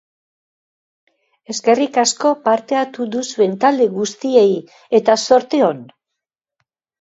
Eskerrik asko parte hartu duzuen talde guztiei eta zorte on!